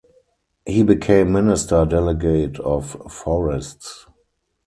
He became Minister Delegate of Forests.